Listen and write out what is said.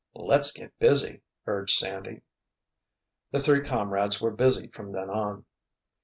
"Let's get busy!" urged Sandy. The three comrades were busy from then on.